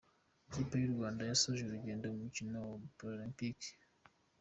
Ikipe y’u Rwanda yasoje urugendo mu mikino Paralempike